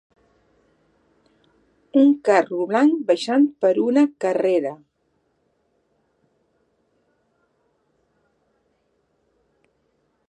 Un carro blanc baixant per una carrera.